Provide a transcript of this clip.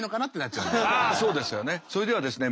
それではですね